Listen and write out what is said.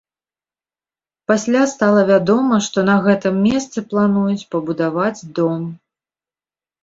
Пасля стала вядома, што на гэтым месцы плануюць пабудаваць дом.